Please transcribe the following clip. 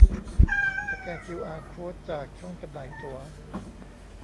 สแกนคิวอาร์โค้ดจากช่องจำหน่ายตั๋ว